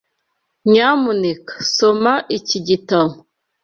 Nyamuneka soma iki gitabo.